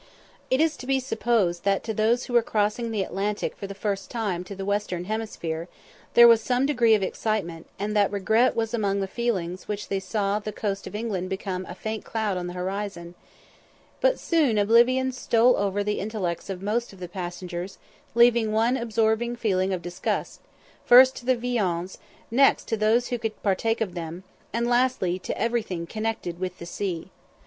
It is to be supposed that to those who were crossing the Atlantic for the first time to the western hemisphere there was some degree of excitement, and that regret was among the feelings with which they saw the coast of England become a faint cloud on the horizon; but soon oblivion stole over the intellects of most of the passengers, leaving one absorbing feeling of disgust, first to the viands, next to those who could partake of them, and lastly to everything connected with the sea.